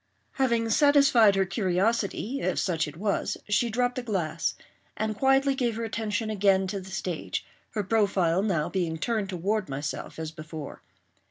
Having satisfied her curiosity—if such it was—she dropped the glass, and quietly gave her attention again to the stage; her profile now being turned toward myself, as before.